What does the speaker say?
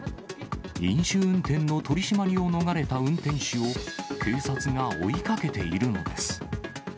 飲酒運転の取締りを逃れた運転手を警察が追いかけているのです。